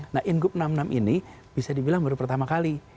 nah ingup enam puluh enam ini bisa dibilang baru pertama kali